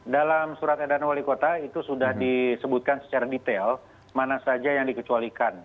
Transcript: dalam surat edaran wali kota itu sudah disebutkan secara detail mana saja yang dikecualikan